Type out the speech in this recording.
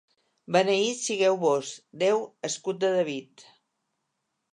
Beneït sigueu Vós, Déu, escut de David.